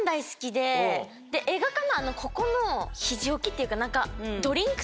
映画館のここの肘置きっていうか。